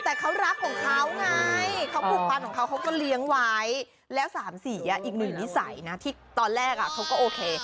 แต่เขารักของเขาไงเขาผูกพันของเขาเขาก็เลี้ยงไว้แล้วสามสีอีกหนึ่งนิสัยนะที่ตอนแรกเขาก็โอเค